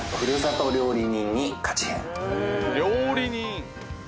料理人！